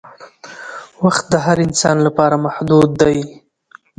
وخت د هر انسان لپاره محدود دی